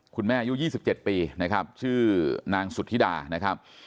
อายุ๒๗ปีนะครับชื่อนางสุธิดานะครับ